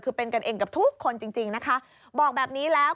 คือเป็นกันเองกับทุกคนจริงจริงนะคะบอกแบบนี้แล้ว